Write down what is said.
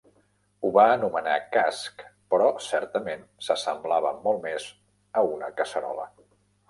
Ho va anomenar casc, però certament s'assemblava molt més a una casserola.